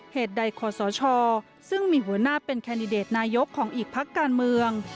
เหตุใดขอสชซึ่งมีหัวหน้าเป็นแคนดิเดตนายกของอีกพักการเมือง